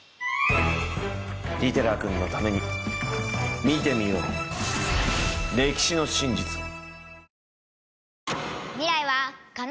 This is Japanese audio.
利寺君のために見てみよう歴史の真実を。